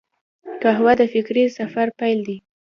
قهوه د فکري سفر پیل دی